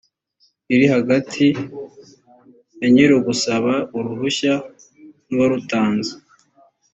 iri hagati ya nyir’ugusaba uruhushya n’uwarutanze